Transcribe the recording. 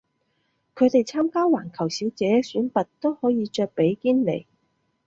佢哋參加環球小姐選拔都可以着比基尼